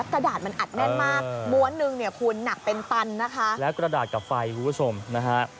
หนึ่งเนี่ยภูนิหนักเป็นตันนะคะแล้วกระดาษกับไฟวิวสมนะฮะ